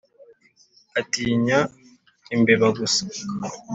Atinya imbeba gusa